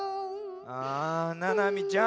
あななみちゃん